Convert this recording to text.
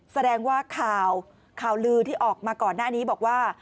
แสดงว่าข่าวข่าวลือที่ออกมาก่อนหน้านี้บอกว่า